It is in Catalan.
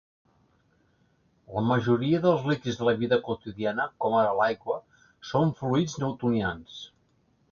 La majoria dels líquids de la vida quotidiana, com ara l'aigua, són fluids newtonians.